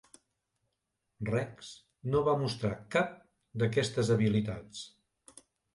Rex no va mostrar cap d'aquestes habilitats.